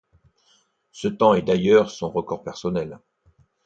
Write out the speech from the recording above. Ce temps est d'ailleurs son record personnel.